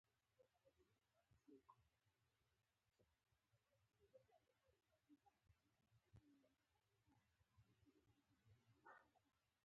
ځان مې قدم وهلو ته تیار کړ.